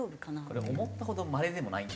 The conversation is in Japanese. これ思ったほどまれでもないんですよね。